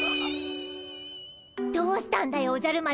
どうしたんだよおじゃる丸。